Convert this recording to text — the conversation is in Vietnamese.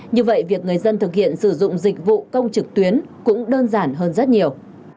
như vậy việc người dân thực hiện sử dụng dịch vụ công trực tuyến cũng đơn giản hơn rất nhiều